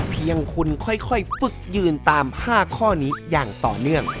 เพียงคุณค่อยฝึกยืนตาม๕ข้อนี้อย่างต่อเนื่อง